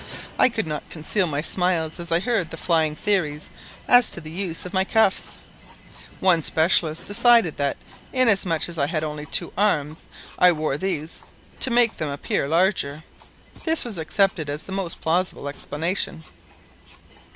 I could not conceal my smiles as I heard the flying theories as to the use of my cuffs. One specialist decided that inasmuch as I had only two arms, I wore these to make them appear larger. This was accepted as the most plausible explanation.